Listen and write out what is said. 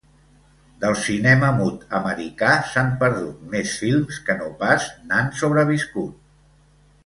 Del cinema mut americà s'han perdut més films que no pas n'han sobreviscut.